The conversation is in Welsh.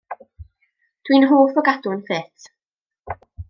Dw i'n hoff o gadw'n ffit.